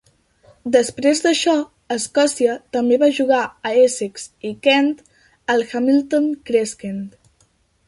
Després d 'això, Escòcia també va jugar a Essex i Kent al Hamilton Crescent.